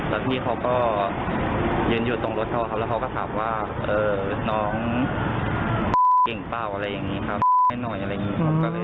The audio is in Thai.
แล้วพี่เขาก็ยืนอยู่ตรงรถเขาครับแล้วเขาก็ถามว่าน้องเก่งเปล่าอะไรอย่างนี้ครับให้หน่อยอะไรอย่างนี้